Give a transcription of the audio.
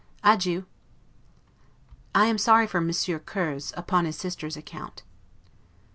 Adieu. I am sorry for Monsieur Kurze, upon his sister's account.